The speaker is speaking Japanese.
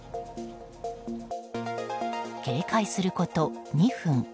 警戒すること２分。